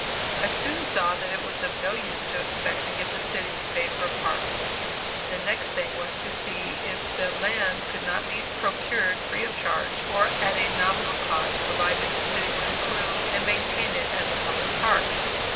I soon saw that it was of no use to expect to get the city to pay for a park. The next thing was to see if the land could not be procured free of charge, or at a nominal cost, provided the city would improve and maintain it as a public park.